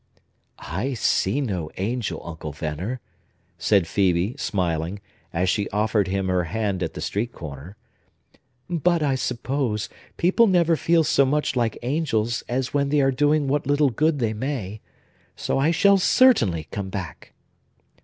"I am no angel, Uncle Venner," said Phœbe, smiling, as she offered him her hand at the street corner. "But, I suppose, people never feel so much like angels as when they are doing what little good they may. So I shall certainly come back!"